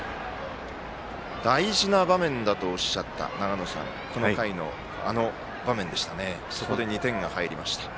大事な場面だとおっしゃった長野さん、この回のあの場面でそこで２点が入りました。